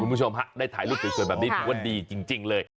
คุณผู้ชมฮะได้ถ่ายรูปสวยแบบนี้ถือว่าดีจริงเลย